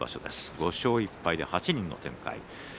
５勝１敗で８人の展開。